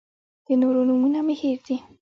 د نورو نومونه مې هېر دي.